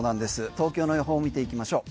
東京の予報見ていきましょう。